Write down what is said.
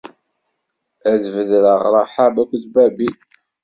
Ad d-bedreɣ Rahab akked Babil.